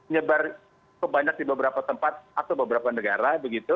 nyebar sebanyak di beberapa tempat atau beberapa negara